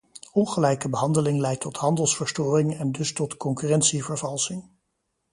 Ongelijke behandeling leidt tot handelsverstoring en dus tot concurrentievervalsing.